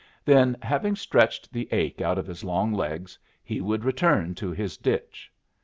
Then, having stretched the ache out of his long legs, he would return to his ditch.